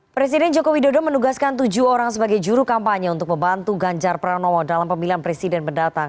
presiden joko widodo menugaskan tujuh orang sebagai juru kampanye untuk membantu ganjar pranowo dalam pemilihan presiden mendatang